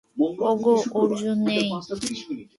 ওগো, অর্জুন নেই!